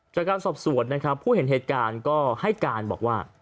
จากการสอบสวนนะครับผู้เห็นเหตุการณ์ก็ให้การบอกว่า